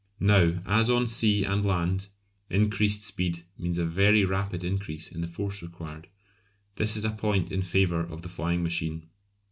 Now, as on sea and land, increased speed means a very rapid increase in the force required, this is a point in favour of the flying machine.